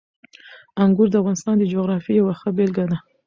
انګور د افغانستان د جغرافیې یوه ښه بېلګه ده.